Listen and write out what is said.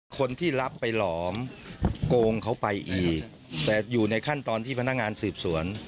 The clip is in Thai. คนที่รับไปหลอมโกงเขาไปอีกแต่อยู่ในขั้นตอนที่พนักงานสืบสวน